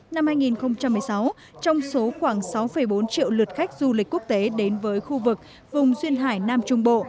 năm hai nghìn một mươi sáu trong số khoảng sáu bốn triệu lượt khách du lịch quốc tế đến với khu vực vùng duyên hải nam trung bộ